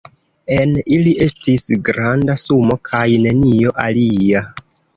En ili estis granda sumo kaj nenio alia.